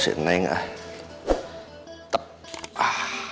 gimana ya dengan mereka